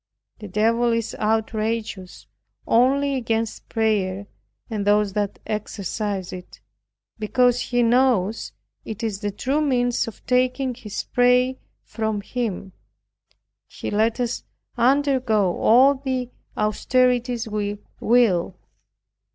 The devil is outrageous only against prayer, and those that exercise it; because he knows it is the true means of taking his prey from him. He lets us undergo all the austerities we will.